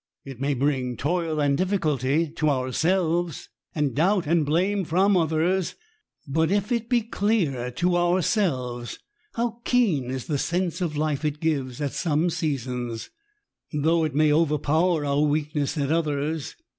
It may bring toil and difficulty to ourselves, and doubt and blame from others; but if it be clear to ourselves, how keen is the sense of life it gives at some seasons, though it may overpower our weakness at others